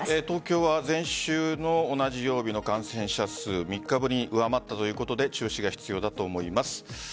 東京は前週の同じ曜日の感染者数３日ぶりに上回ったということで注視が必要だと思います。